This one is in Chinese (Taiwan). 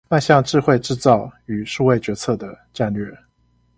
邁向智慧製造與數位決策的戰略